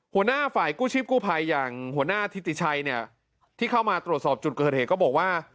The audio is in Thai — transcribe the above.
หัวหน้าฝ่ายกู้ชีพกู้ภัยอย่างหัวหน้าทิติชัยเนี่ยที่เข้ามาตรวจสอบจุดเกิดเหตุก็บอกว่า